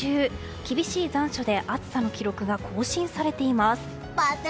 厳しい残暑で暑さの記録が更新されています。